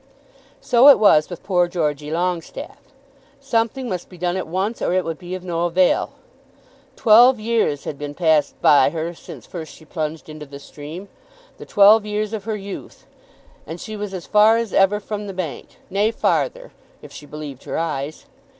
So it was with poor Georgey Longestaffe. Something must be done at once, or it would be of no avail. Twelve years had been passed by her since first she plunged into the stream, the twelve years of her youth, and she was as far as ever from the bank; nay, farther, if she believed her eyes.